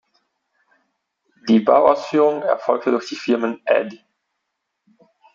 Die Bauausführung erfolgte durch die Firmen Ed.